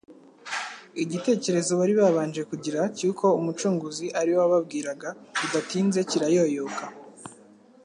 Igitekerezo bari babanje kugira cy'uko Umucunguzi ari we wababwiraga, bidatinze kirayoyoka.